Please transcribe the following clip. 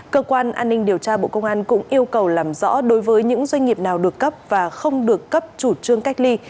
cơ quan an ninh điều tra bộ công an cũng yêu cầu làm rõ đối với những doanh nghiệp nào được cấp và không được cấp chủ trương cách ly